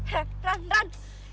ran ran ran